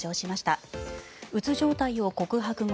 うつ状態を告白後